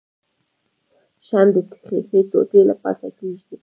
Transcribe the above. شمع د ښيښې ټوټې له پاسه کیږدئ.